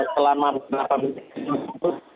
selama delapan menit